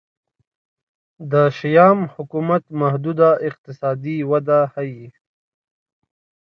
د شیام حکومت محدوده اقتصادي وده ښيي.